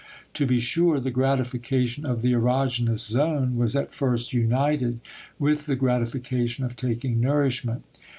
To be sure, the gratification of the erogenous zone was at first united with the gratification of taking nourishment.